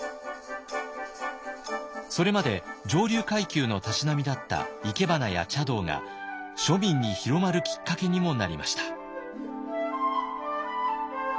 それまで上流階級のたしなみだった生け花や茶道が庶民に広まるきっかけにもなりました。